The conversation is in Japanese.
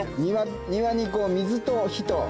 庭にこう水と火と。